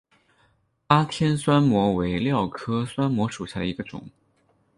巴天酸模为蓼科酸模属下的一个种。